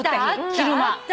昼間。